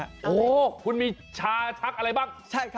ชักคุณมีชะชักอะไรบ้าง